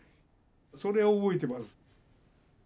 それを覚えてます。